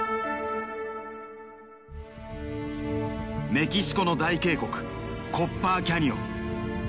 メキシコの大渓谷コッパーキャニオン。